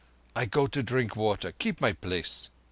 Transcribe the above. "I go to drink water. Keep my place."